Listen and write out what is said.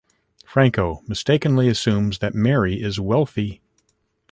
Franco mistakenly assumes that Mary is wealthy.